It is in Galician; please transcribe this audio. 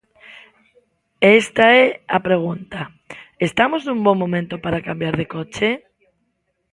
E esta é a pregunta: estamos nun bo momento para cambiar de coche?